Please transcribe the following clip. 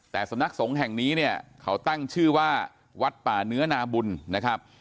แต่สำนักสงฆ์แห่งนี้เนี่ยเขาตั้งชื่อว่าวัดป่าเนื้อนาบุญนะครับ